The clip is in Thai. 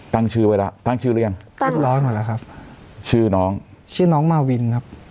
ตั้งชื่อไว้แล้วตั้งชื่อหรือยังเรียบร้อยหมดแล้วครับชื่อน้องชื่อน้องมาวินครับ